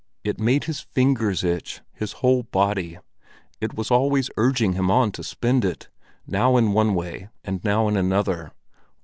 It made his fingers itch, his whole body; it was always urging him on to spend it, now in one way and now in another.